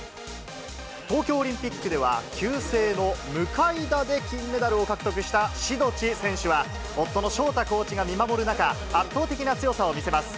東京オリンピックでは、旧姓の向田で金メダルを獲得した志土地選手は、夫の翔大コーチが見守る中、圧倒的な強さを見せます。